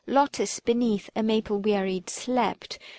Lotis beneath a maple wearied slept.